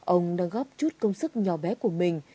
ông đã góp chút công sức nhỏ bé của mình